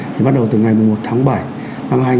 thì bắt đầu từ ngày một tháng bảy